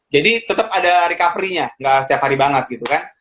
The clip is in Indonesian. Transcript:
jadi tetap ada recoverynya gak setiap hari banget gitu kan